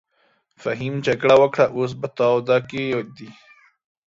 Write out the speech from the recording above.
فهيم جګړه وکړه اوس په تاوده کښی دې.